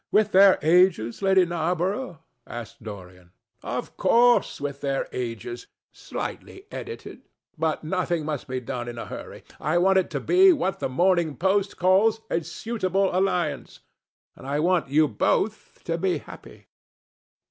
"With their ages, Lady Narborough?" asked Dorian. "Of course, with their ages, slightly edited. But nothing must be done in a hurry. I want it to be what The Morning Post calls a suitable alliance, and I want you both to be happy."